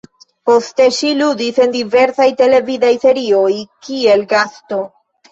Poste ŝi ludis en diversaj televidaj serioj, kiel gasto.